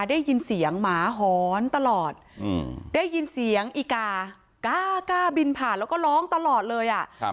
ได้ยินเสียงหมาหอนตลอดอืมได้ยินเสียงอีกากล้าบินผ่านแล้วก็ร้องตลอดเลยอ่ะครับ